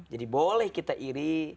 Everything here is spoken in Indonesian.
jadi boleh kita iri